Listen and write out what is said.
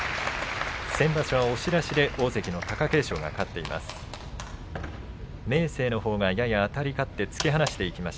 先場所は押し出しで大関の貴景勝が勝っています。